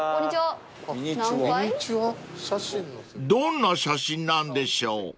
［どんな写真なんでしょう？］